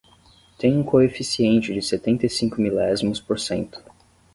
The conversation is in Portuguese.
Tem um coeficiente de setenta e cinco milésimos por cento.